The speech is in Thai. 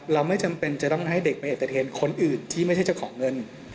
ไม่จำเป็นจะต้องให้เด็กไปเอ็นเตอร์เทนคนอื่นที่ไม่ใช่เจ้าของเงิน